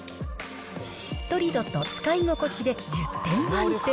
しっとり度と使い心地で１０点満点。